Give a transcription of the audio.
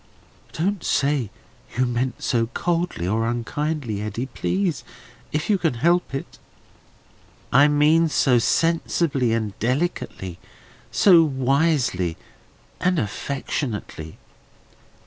"Don't say you mean so coldly or unkindly, Eddy, please, if you can help it." "I mean so sensibly and delicately, so wisely and affectionately."